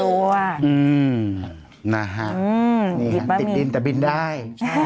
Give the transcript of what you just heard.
อืมนี่ค่ะติดดินแต่บินได้